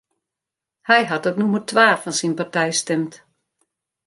Hy hat op nûmer twa fan syn partij stimd.